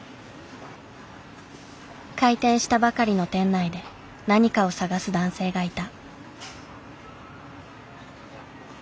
開店したばかりの店内で何かを探す男性がいた。